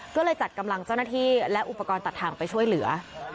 ก็เลยจัดกำลังเจ้าหน้าที่และอุปกรณ์ตัดทางไปช่วยเหลือ